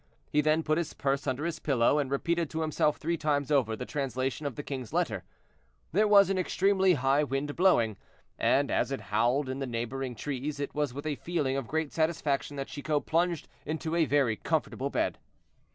He then put his purse under his pillow, and repeated to himself three times over the translation of the king's letter. There was an extremely high wind blowing, and as it howled in the neighboring trees, it was with a feeling of great satisfaction that Chicot plunged into a very comfortable bed.